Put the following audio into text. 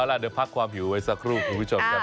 เอาล่ะเดี๋ยวพักความหิวไว้สักครู่คุณผู้ชมครับ